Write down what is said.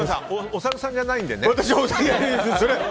おサルさんじゃないのでね。